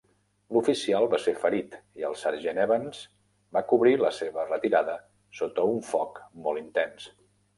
L'oficial va ser ferit i el sergent Evans va cobrir la seva retirada sota un foc molt intens.